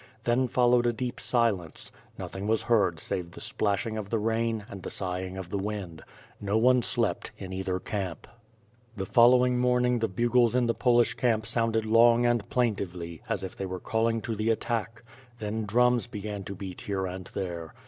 Then followed a deep silence; noth ing was heard save the splashing of the rain and the sighing of the wind; no one slept in either camp. The following morning the bugles in the Polish camp sounded long and plaintively, as if they were calling to the attack. Then drums began to beat here and there.